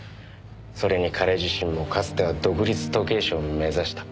それに彼自身もかつては独立時計師を目指した。